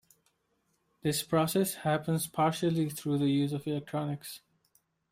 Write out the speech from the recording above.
This process happens partially through the use of electronics.